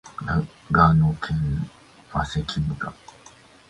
長野県麻績村